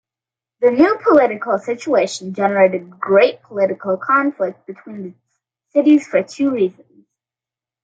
The new political situation generated great political conflict between the cities for two reasons.